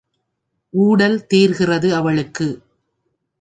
ஊடல் தீர்கிறது அவளுக்கு.